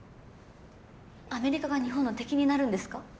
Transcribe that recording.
アメリカが日本の敵になるんですか？